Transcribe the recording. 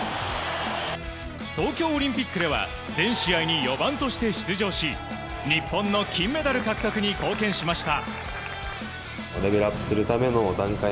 東京オリンピックでは全試合に４番として出場し日本の金メダル獲得に貢献しました。